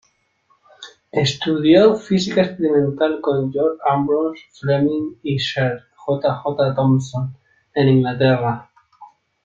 Estudió física experimental con John Ambrose Fleming y Sir J. J. Thomson en Inglaterra.